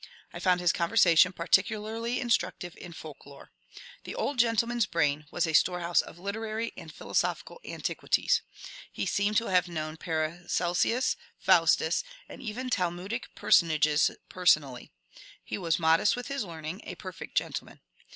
I found his conversation particularly instructive in folk lore. The old gentleman's brain was a storehouse of lit erary and philosophical antiquities. He seemed to have known Paracelsus, Faustus, and even Talmudic personages person ally. He was modest with his learning, a perfect gentleman.